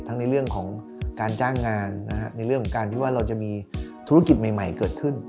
ในเรื่องของการจ้างงานในเรื่องของการที่ว่าเราจะมีธุรกิจใหม่เกิดขึ้น